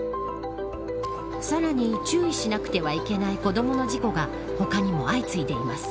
さらに、注意しなくてはいけない子どもの事故が他にも相次いでいます。